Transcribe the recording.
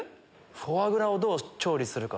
「フォアグラ」をどう調理するか。